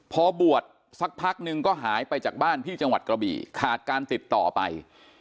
พอบวชสักพักนึงก็หายไปจากบ้านที่จังหวัดกระบี่ขาดการติดต่อไป